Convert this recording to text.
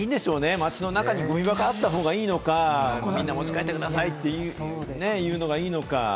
街の中にゴミ箱があった方がいいのか、みんな持ち帰ってくださいというのがいいのか。